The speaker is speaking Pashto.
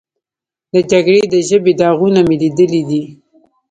د جګړې د ژبې داغونه مې لیدلي دي.